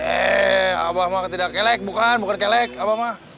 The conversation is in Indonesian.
eh abah mah ketidak kelek bukan bukan kelek abah mah